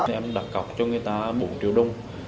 em đặt cọc cho người ta bốn triệu đồng